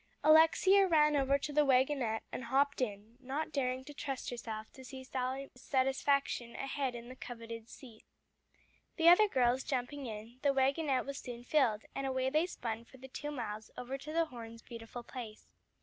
Alexia ran over to the wagonette, and hopped in, not daring to trust herself to see Sally Moore's satisfaction ahead in the coveted seat. The other girls jumping in, the wagonette was soon filled, and away they spun for the two miles over to the Hornes' beautiful place.